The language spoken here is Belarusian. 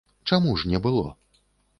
Чаму ж не было?